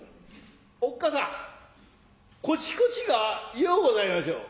おッ母さんこちこちがようございましょう。